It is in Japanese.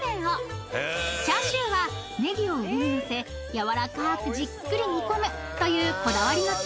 ［チャーシューはネギを上にのせやわらかくじっくり煮込むという］